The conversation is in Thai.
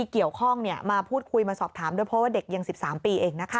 เกี่ยวข้องมาพูดคุยมาสอบถามด้วยเพราะว่าเด็กยัง๑๓ปีเองนะคะ